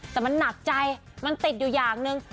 แต่มันหนักใจมันติดอยู่อย่างหนึ่ง